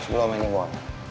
sebelumnya nih boy